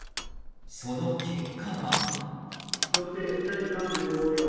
その結果は？